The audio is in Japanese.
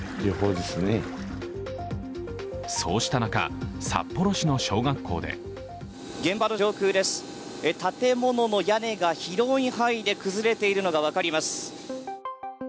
そうした中、札幌市の小学校で現場の上空です建物の屋根が広い範囲で崩れているのが分かります。